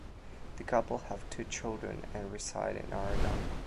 The couple have two children and reside in Oregon.